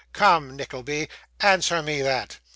Come, Nickleby, answer me that.